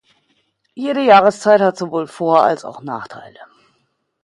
Jede Jahreszeit hat sowohl Vor- als auch Nachteile.